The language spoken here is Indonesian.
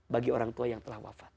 bagi orang tua yang telah wafat